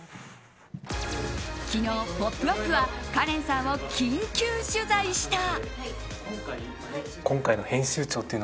昨日、「ポップＵＰ！」はカレンさんを緊急取材した。